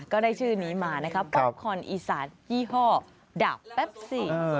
ก็ได้ชื่อนี้มานะคะป๊อปคอนอีสานยี่ห้อดาบแป๊บซี่